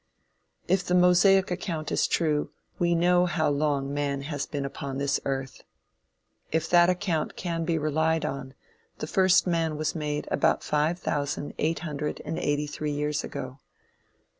If the Mosaic account is true, we know how long man has been upon this earth. If that account can be relied on, the first man was made about five thousand eight hundred and eighty three years ago.